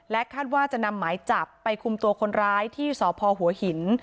คาดว่าจะนำหมายจับไปคุมตัวคนร้ายที่สพหัวหิน